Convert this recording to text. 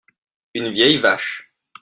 une vieille vache.